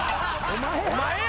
お前や。